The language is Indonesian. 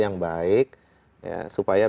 yang baik supaya